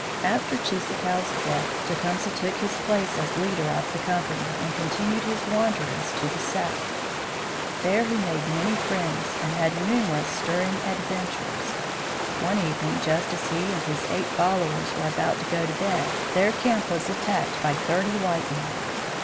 After Cheeseekau's death Tecumseh took his place as leader of the company and continued his wanderings to the South. There he made many friends and had numerous stirring adventures. One evening just as he and his eight followers were about to go to bed their camp was attacked by thirty white men.